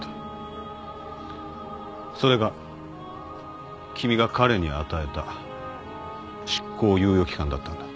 それが君が彼に与えた執行猶予期間だったんだ。